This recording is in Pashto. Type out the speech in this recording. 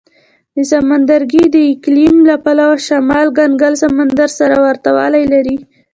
دا سمندرګي د اقلیم له پلوه شمال کنګل سمندر سره ورته والی لري.